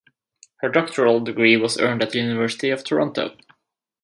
Her doctoral degree was earned at the University of Toronto.